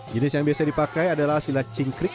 jenis yang biasa dipakai adalah silat cingkrik